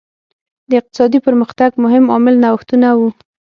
د اقتصادي پرمختګ مهم عامل نوښتونه وو.